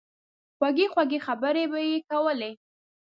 خوږې خوږې خبرې به ئې کولې